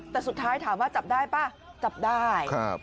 แต่สุดท้ายถามว่าจับได้ป่ะจับได้